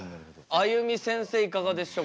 あゆみせんせいいかがでしょう？